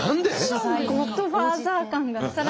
ゴッドファーザー感が。